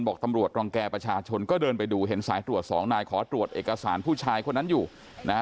บอกตำรวจรังแก่ประชาชนก็เดินไปดูเห็นสายตรวจสองนายขอตรวจเอกสารผู้ชายคนนั้นอยู่นะฮะ